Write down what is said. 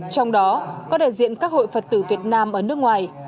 trong đó có đại diện các hội phật tử việt nam ở nước ngoài